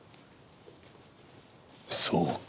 そうか。